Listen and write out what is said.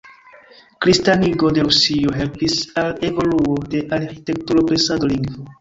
Kristanigo de Rusio helpis al evoluo de arĥitekturo, presado, lingvo.